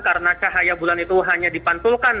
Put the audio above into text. karena cahaya bulan itu hanya dipantulkan